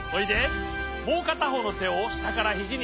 もうかたほうのてをしたからひじにあてるよ。